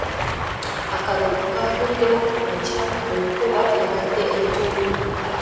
Akabenje kaguddewo ku makya mu nkuba ebadde etonnya .